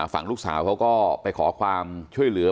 ฝั่งลูกสาวเขาก็ไปขอความช่วยเหลือ